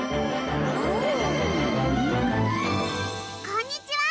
こんにちは！